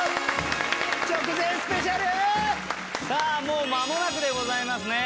もう間もなくでございますね。